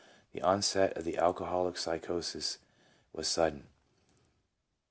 The onset of the alcoholic psychosis was sudden.